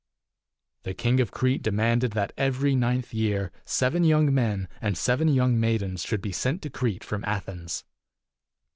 272 The King of Crete demanded that every ninth year seven young men and seven young maidens should be sent to Crete from Athens.